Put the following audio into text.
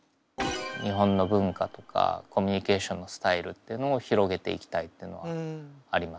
日本の文化とかコミュニケーションのスタイルっていうのを広げていきたいっていうのはありますかね。